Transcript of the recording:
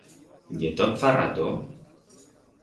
Ye tot zarrato?